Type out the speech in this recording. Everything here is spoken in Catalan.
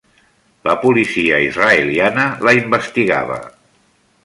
La policia israeliana la investigava.